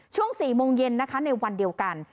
ช่วง๔โมงเย็นนะคะในวันเดียวกัน